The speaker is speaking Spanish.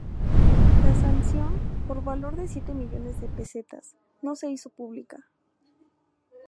La sanción, por valor de siete millones de pesetas, no se hizo pública.